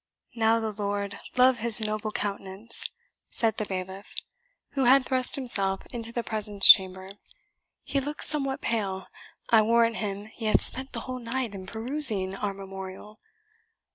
"Now the Lord love his noble countenance!" said the bailiff, who had thrust himself into the presence chamber; "he looks somewhat pale. I warrant him he hath spent the whole night in perusing our memorial.